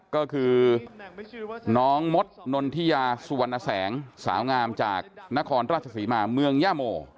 ก็คือน้องมดนนทิยาสุวรรณแสงสาวงามจากนครราชศรีมาเมืองย่าโม